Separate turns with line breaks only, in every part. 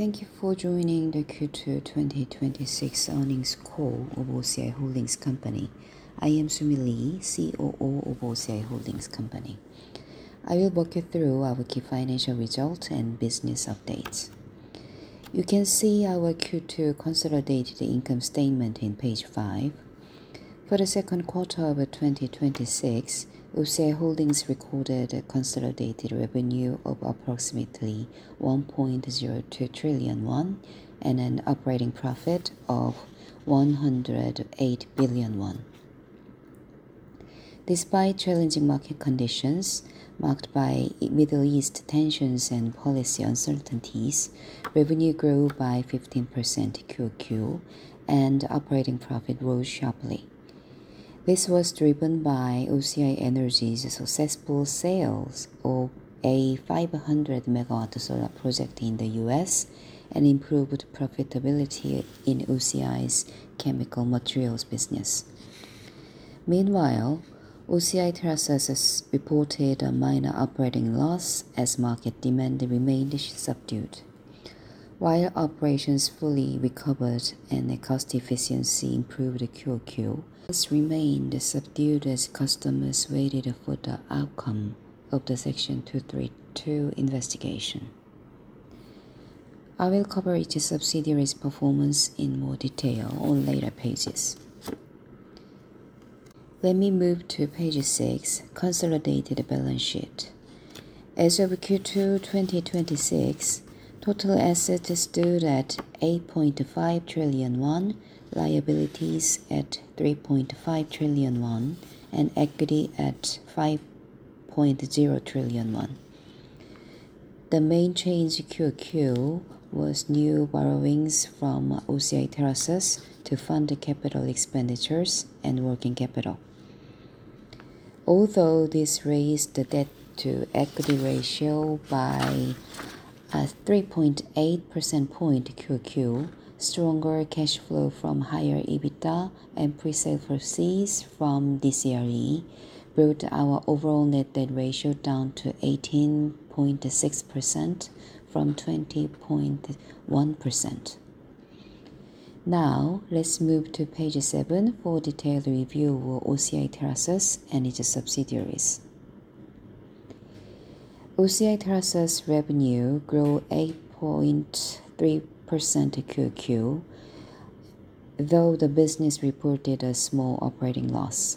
Thank you for joining the Q2 2026 earnings call of OCI Holdings Company. I am Su Mi Lee, COO of OCI Holdings Company. I will walk you through our key financial results and business updates. You can see our Q2 consolidated income statement on Page 5. For the second quarter of 2026, OCI Holdings recorded a consolidated revenue of approximately 1.02 trillion won and an operating profit of 108 billion won. Despite challenging market conditions marked by Middle East tensions and policy uncertainties, revenue grew by 15% QOQ, and operating profit rose sharply. This was driven by OCI Energy's successful sales of a 500-megawatt solar project in the U.S. and improved profitability in OCI's chemical materials business. Meanwhile, OCI TerraSus has reported a minor operating loss as market demand remained subdued. While operations fully recovered and cost efficiency improved QOQ, it has remained subdued as customers waited for the outcome of the Section 232 investigation. Let me move to Page 6, consolidated balance sheet. As of Q2 2026, total assets stood at 8.5 trillion won, liabilities at 3.5 trillion won, and equity at 5.0 trillion won. The main change QOQ was new borrowings from OCI TerraSus to fund capital expenditures and working capital. Although this raised the debt-to-equity ratio by a 3.8% point QOQ, stronger cash flow from higher EBITDA and presale proceeds from DCRE brought our overall net debt ratio down to 18.6% from 20.1%. Now, let's move to Page 7 for a detailed review of OCI TerraSus and its subsidiaries. OCI TerraSus' revenue grew 8.3% QOQ, though the business reported a small operating loss.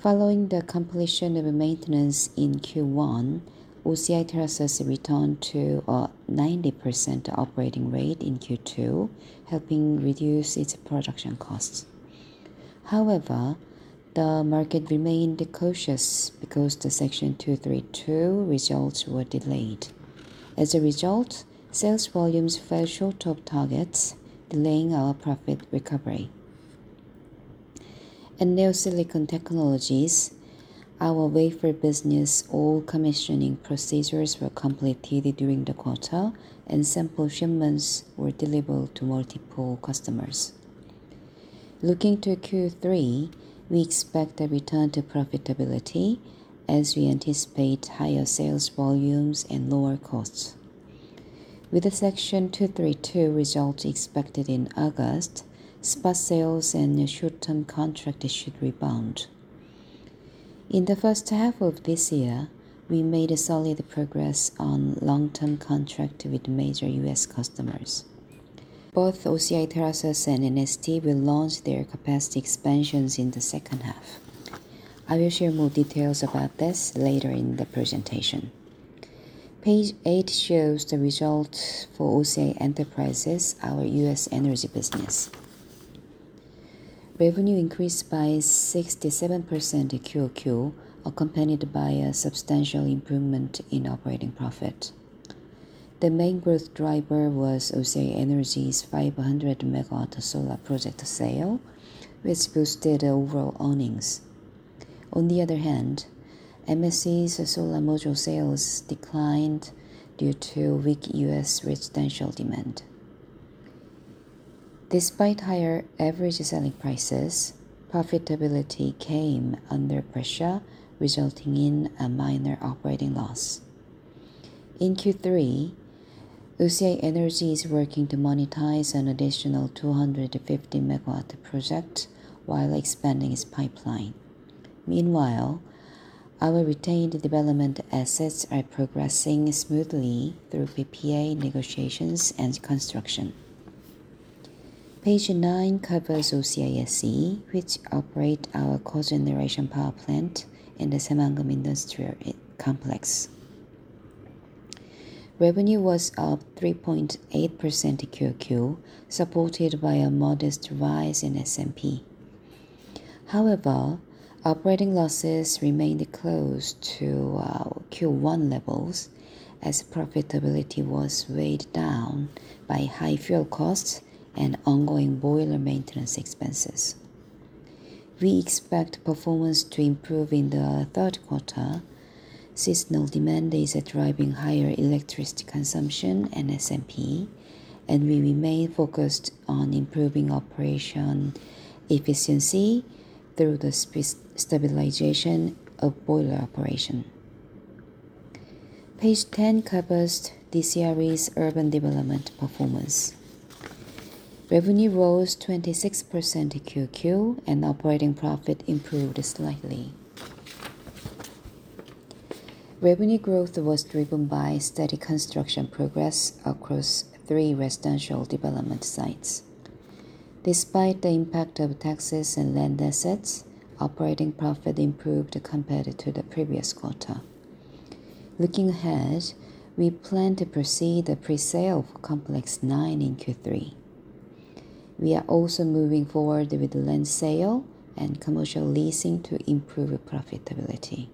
Following the completion of maintenance in Q1, OCI TerraSus returned to a 90% operating rate in Q2, helping reduce its production costs. However, the market remained cautious because the Section 232 results were delayed. As a result, sales volumes fell short of targets, delaying our profit recovery. In NeoSilicon Technologies, our wafer business all commissioning procedures were completed during the quarter, and sample shipments were delivered to multiple customers. Looking to Q3, we expect a return to profitability as we anticipate higher sales volumes and lower costs. With the Section 232 result expected in August, spot sales and new short-term contracts should rebound. In the first half of this year, we made solid progress on long-term contracts with major U.S. customers. Both OCI TerraSus and NST will launch their capacity expansions in the second half. I will share more details about this later in the presentation. Page 8 shows the results for OCI Enterprises, our U.S. energy business. Revenue increased by 67% QOQ, accompanied by a substantial improvement in operating profit. The main growth driver was OCI Energy's 500-megawatt solar project sale, which boosted overall earnings. On the other hand, MSE's solar module sales declined due to weak U.S. residential demand. Despite higher average selling prices, profitability came under pressure, resulting in a minor operating loss. In Q3, OCI Energy is working to monetize an additional 250-megawatt project while expanding its pipeline. Meanwhile, our retained development assets are progressing smoothly through PPA negotiations and construction. Page 9 covers OCI SE, which operates our cogeneration power plant in the Saemangeum Industrial Complex. Revenue was up 3.8% QOQ, supported by a modest rise in SMP. However, operating losses remained close to our Q1 levels as profitability was weighed down by high fuel costs and ongoing boiler maintenance expenses. We expect performance to improve in the third quarter. Seasonal demand is driving higher electricity consumption and SMP. We remain focused on improving operation efficiency through the stabilization of boiler operation. Page 10 covers DCRE's urban development performance. Revenue rose 26% QOQ, and operating profit improved slightly. Revenue growth was driven by steady construction progress across three residential development sites. Despite the impact of taxes and land assets, operating profit improved compared to the previous quarter. Looking ahead, we plan to proceed a presale for Complex 9 in Q3. We are also moving forward with the land sale and commercial leasing to improve profitability.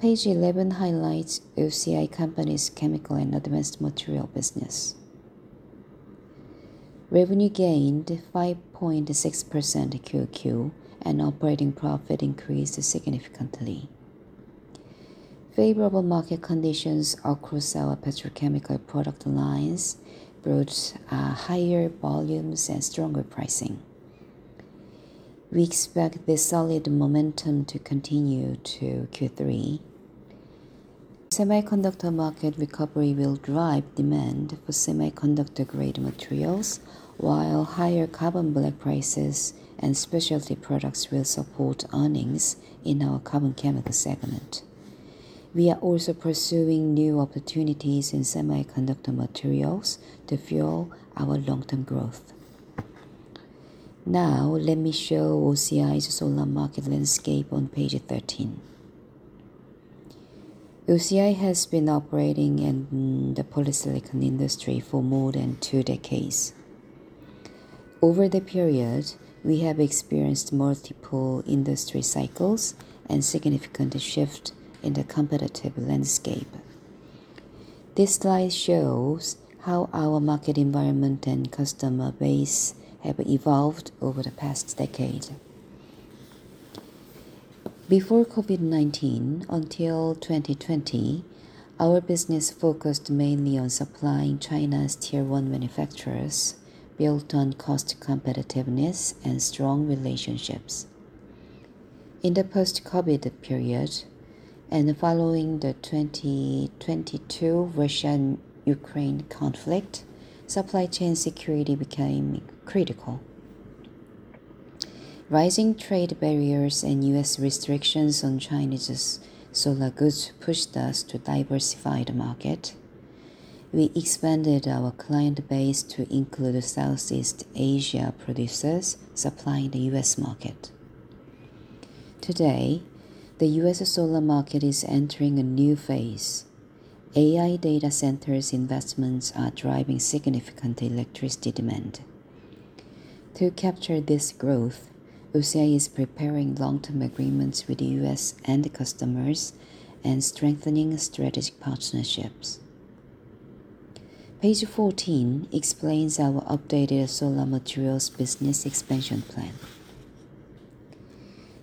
Page 11 highlights OCI Company's chemical and advanced material business. Revenue gained 5.6% QOQ, and operating profit increased significantly. Favorable market conditions across our petrochemical product lines brought higher volumes and stronger pricing. We expect this solid momentum to continue to Q3. Semiconductor market recovery will drive demand for semiconductor-grade materials, while higher carbon black prices and specialty products will support earnings in our carbon chemical segment. We are also pursuing new opportunities in semiconductor materials to fuel our long-term growth. Let me show OCI's solar market landscape on page 13. OCI has been operating in the polysilicon industry for more than two decades. Over the period, we have experienced multiple industry cycles and significant shift in the competitive landscape. This slide shows how our market environment and customer base have evolved over the past decade. Before COVID-19, until 2020, our business focused mainly on supplying China's tier 1 manufacturers built on cost competitiveness and strong relationships. In the post-COVID period, following the 2022 Russian Ukraine conflict, supply chain security became critical. Rising trade barriers and U.S. restrictions on Chinese solar goods pushed us to diversify the market. We expanded our client base to include Southeast Asia producers supplying the U.S. market. Today, the U.S. solar market is entering a new phase. AI data centers investments are driving significant electricity demand. To capture this growth, OCI is preparing long-term agreements with U.S. end customers and strengthening strategic partnerships. Page 14 explains our updated solar materials business expansion plan.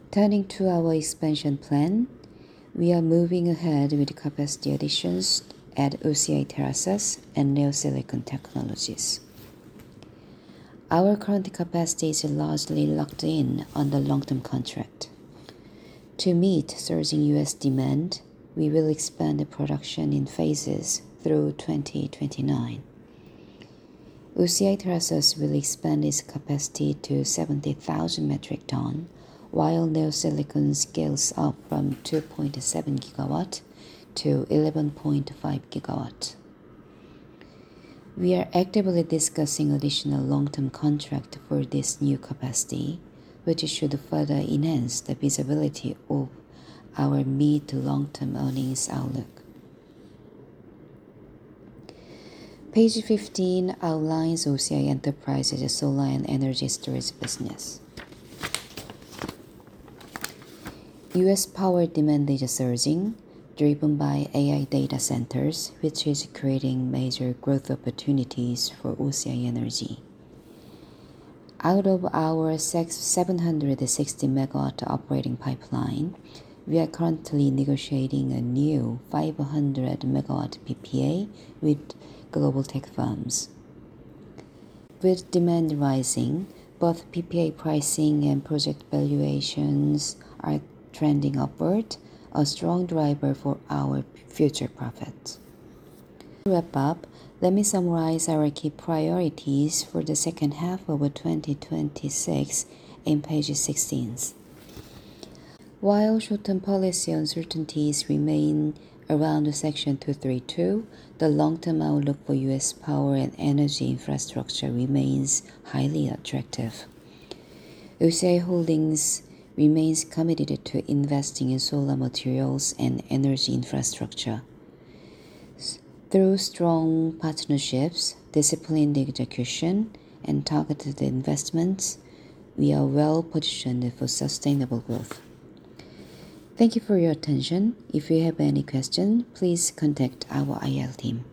Turning to our expansion plan, we are moving ahead with capacity additions at OCI TerraSus and NeoSilicon Technologies. Our current capacity is largely locked in on the long-term contract. To meet surging U.S. demand, we will expand the production in phases through 2029. OCI TerraSus will expand its capacity to 70,000 metric tons, while NeoSilicon scales up from 2.7 gigawatts to 11.5 gigawatts. We are actively discussing additional long-term contract for this new capacity, which should further enhance the visibility of our mid-to-long-term earnings outlook. Page 15 outlines OCI Enterprises' solar and energy storage business. U.S. power demand is surging, driven by AI data centers, which is creating major growth opportunities for OCI Energy. Out of our 760 megawatts operating pipeline, we are currently negotiating a new 500 megawatts PPA with global tech firms. With demand rising, both PPA pricing and project valuations are trending upward, a strong driver for our future profit. Let me summarize our key priorities for the second half of 2026 in page 16. While short-term policy uncertainties remain around the Section 232, the long-term outlook for U.S. power and energy infrastructure remains highly attractive. OCI Holdings remains committed to investing in solar materials and energy infrastructure. Through strong partnerships, disciplined execution, and targeted investments, we are well-positioned for sustainable growth. Thank you for your attention. If you have any question, please contact our IR team.